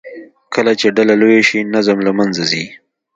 کله چې ډله لویه شي، نظم له منځه ځي.